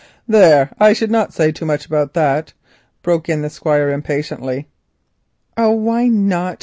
"There, I should not say too much about that," broke in the Squire impatiently. "Oh, why not?"